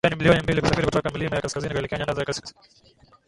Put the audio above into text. Majani milioni mbili husafiri kutoka milima ya kaskazini kuelekea nyandaza kusini